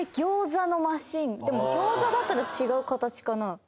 でも餃子だったら違う形かな。